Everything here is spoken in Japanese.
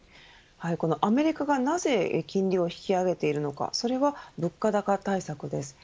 アメリカがなぜ金利を引き上げているのかそれは物価高対策です。